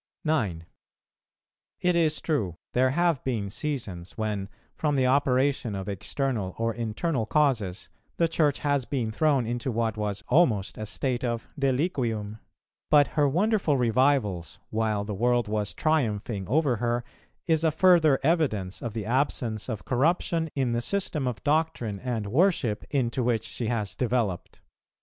9. It is true, there have been seasons when, from the operation of external or internal causes, the Church has been thrown into what was almost a state of deliquium; but her wonderful revivals, while the world was triumphing over her, is a further evidence of the absence of corruption in the system of doctrine and worship into which she has developed.